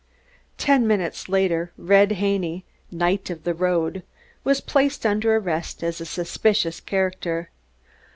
Ten minutes later Red Haney, knight of the road, was placed under arrest as a suspicious character.